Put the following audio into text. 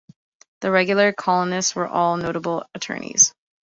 The regular columnists were all notable attorneys.